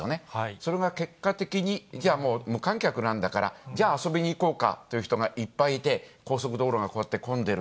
それが結果的に、じゃあもう、無観客なんだからじゃあ、遊びに行こうかという人がいっぱいいて、高速道路がこうやって混んでいる。